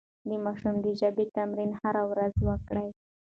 د ماشوم د ژبې تمرين هره ورځ وکړئ.